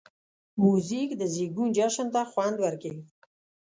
موزیک د زېږون جشن ته خوند ورکوي.